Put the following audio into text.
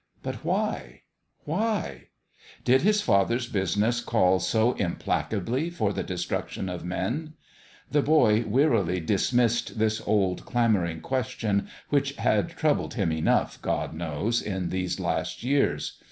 But why ? why ? Bid his father's business call so implacably for the de struction of men ? The boy wearily dismissed this old, clamouring question, which had troubled him enough, God knows ! in these last years.